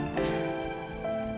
terima kasih ibu